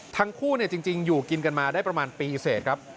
ทั้งคู่จริงอยู่กินกันมาได้ประมาณปีเสร็จครับ